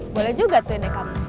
boleh juga tuh ini kamu